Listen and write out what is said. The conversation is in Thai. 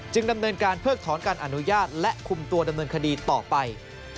ดำเนินการเพิกถอนการอนุญาตและคุมตัวดำเนินคดีต่อไป